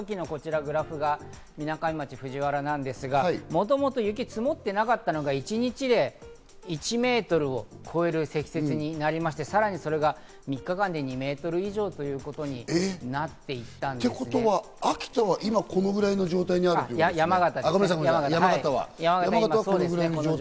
それが、その時のグラフがこちら、みなかみ町藤原ですが、もともと雪が積もっていなかったのが一日で１メートルを超える積雪になりまして、さらにそれが３日間で２メートル以上ということになっていったん秋田は今このぐらいの状態にあるということ？